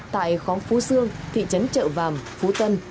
tại khóm phú sương thị trấn trợ vàm phú tân